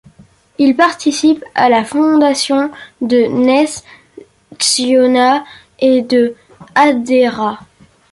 Il participe à la fondation de Ness-Tziona et de Hadera.